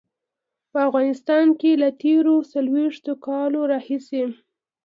په افغانستان کې له تېرو څلويښتو کالو راهيسې.